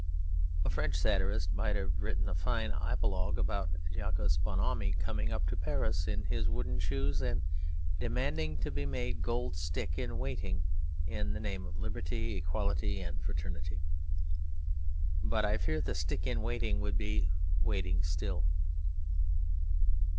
A French satirist might have written a fine apologue about Jacques Bonhomme coming up to Paris in his wooden shoes and demanding to be made Gold Stick in Waiting in the name of Liberty, Equality, and Fraternity; but I fear the stick in waiting would be waiting still.